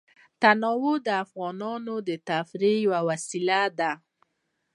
تنوع د افغانانو د تفریح یوه وسیله ده.